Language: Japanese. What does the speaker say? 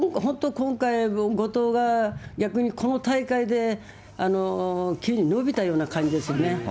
今回、後藤が逆にこの大会で急に伸びたような感じですよね。